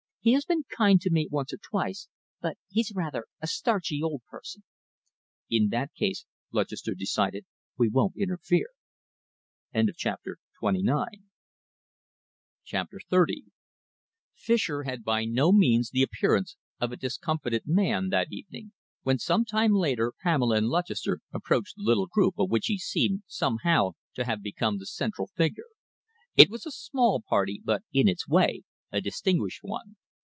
"He has been kind to me once or twice, but he's rather a starchy old person." "In that case," Lutchester decided, "we won't interfere." CHAPTER XXX Fischer had by no means the appearance of a discomfited man that evening, when some time later Pamela and Lutchester approached the little group of which he seemed, somehow, to have become the central figure. It was a small party, but, in its way, a distinguished one.